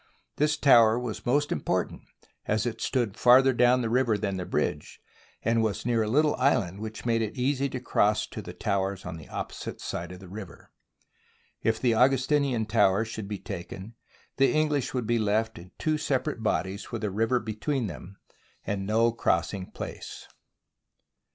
This tower was most important as it stood farther down the river than the bridge, and was near a little island which made it easy to cross to the towers on the opposite side of the river. If the Augustinian tower should be taken, the English would be left in two separate bodies with a river be tween and no crossing place.